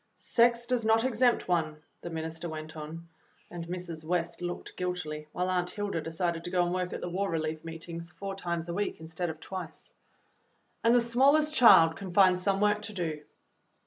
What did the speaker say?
"Sex does not exempt one," the minister went on, and Mrs. West looked guilty, while Aunt Hilda de cided to go and work at the War Relief meetings four times a week instead of twice. "And the smallest child can find some work to do."